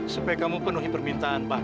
supaya kamu penuhi permintaan pak